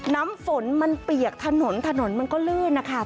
น้ำฝนมันเปียกถนนถนนมันก็ลื่นนะคะ